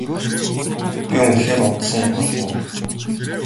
Би үнэхээр унтсан юм болов уу?